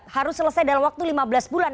harus selesai dalam waktu lima belas bulan